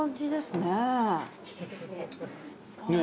ねえ。